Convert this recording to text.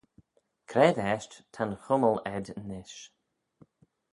C'raad eisht ta'n chummal ayd nish?